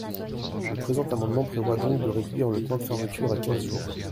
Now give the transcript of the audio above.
Le présent amendement prévoit donc de réduire le temps de fermeture à quinze jours.